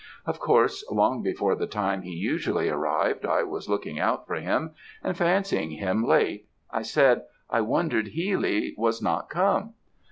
Of course, long before the time he usually arrived, I was looking out for him, and fancying him late; I said, 'I wondered Healy was not come!'